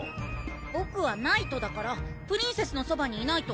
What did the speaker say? ボクはナイトだからプリンセスのそばにいないと！